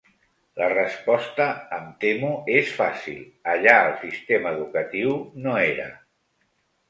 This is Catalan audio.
La resposta, em temo, és fàcil: allà el sistema educatiu no era.